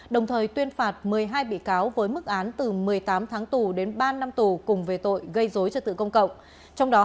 đồng thời tuyên phạt một mươi hai bị cáo với mức án từ một mươi tám tháng tù đến ba năm tù cùng về tội gây dối trật tự công cộng